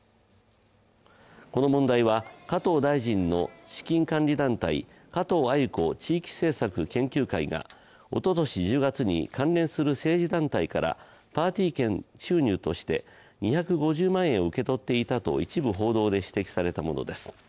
この問題は加藤大臣の資金管理団体加藤鮎子地域政策研究会がおととし１０月に関連する政治団体からパーティー券収入として２５０万円を受け取っていたと一部報道で指摘されたものです。